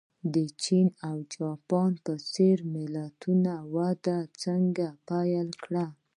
د جاپان او چین په څېر ملتونو وده څنګه پیل کړه.